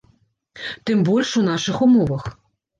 Тым больш у нашых умовах.